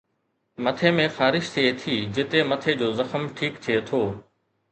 مٿي ۾ خارش ٿئي ٿي جتي مٿي جو زخم ٺيڪ ٿئي ٿو